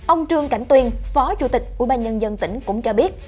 ông trương cảnh tuyên phó chủ tịch ubnd tỉnh cũng cho biết